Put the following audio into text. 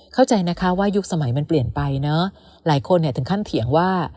เข้าใจนะคะว่ายุคสมัยมันเปลี่ยนไปเนอะหลายคนเนี่ยถึงขั้นเถียงว่า